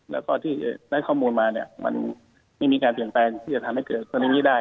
และที่ได้ความมือไม่มีการเปลี่ยนแปลงที่จะทำให้เตือนส่วนในนี้ได้